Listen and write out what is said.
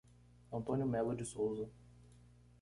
Antônio Melo de Souza